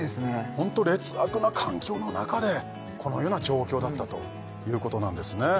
ホント劣悪な環境の中でこのような状況だったということなんですね